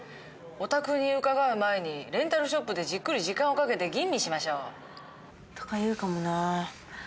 お宅に伺う前にレンタルショップでじっくり時間をかけて吟味しましょう。とか言うかもな。